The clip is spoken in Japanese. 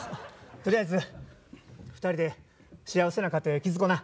とりあえず２人で幸せな家庭を築こうな！